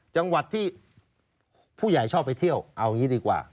จังหวัดที่ผู้ใหญ่ชอบไปเที่ยวเอาอย่างนี้ดีกว่า